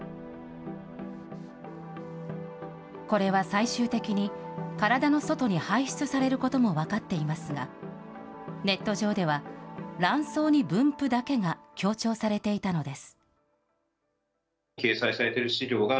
これは最終的に、体の外に排出されることも分かっていますが、ネット上では卵巣に分布だけが強調されていたのです。